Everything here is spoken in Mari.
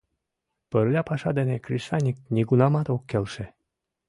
Пырля паша дене кресаньык нигунамат ок келше.